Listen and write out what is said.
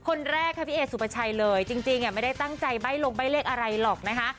คนแรกค่ะพี่เอสุปชัยเลยจริงไม่ได้ตั้งใจใบ้ลงใบ้เลขอะไรหรอกนะคะ